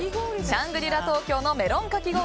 シャングリ・ラ東京のメロンかき氷